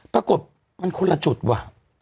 ปรากฏมันคนละจุดว่ะ